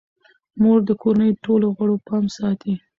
مور د کورنۍ ټولو غړو پام ساتي.